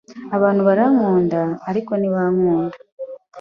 Abantu barankunda, ariko ntibankunda.